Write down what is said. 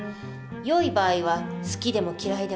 よい場合は好きでも嫌いでもない。